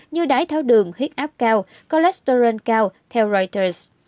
như đái tháo đường huyết áp cao cólesteren cao theo reuters